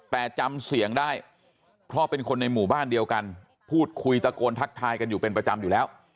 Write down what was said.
แต่จำเสียงได้เพราะเป็นคนในหมู่บ้านเดียวกันพูดคุยตะโกนทักทายกันอยู่เป็นประจำอยู่แล้ว